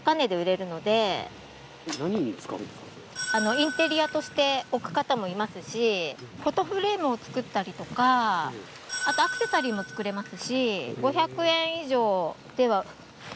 インテリアとして置く方もいますしフォトフレームを作ったりとかあとアクセサリーも作れますし。